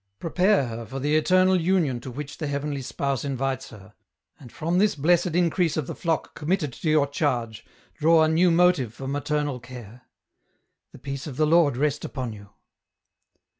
Prepare her for the eternal union to which the heavenly Spouse invites her, and from this blessed increase of the flock committed to your charge draw a new motive for maternal care. The peace of the Lord rest upon you."